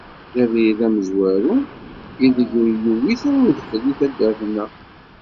D abrid amezwaru ideg ur yuwit ara udfel deg taddart-nneɣ.